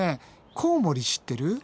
コウモリ知ってる。